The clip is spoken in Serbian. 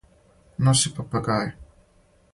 Носи папагаја.